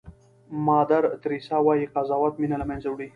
مادر تریسیا وایي قضاوت مینه له منځه وړي.